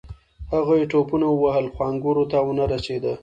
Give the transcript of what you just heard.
هغې ټوپونه ووهل خو انګورو ته ونه رسیده.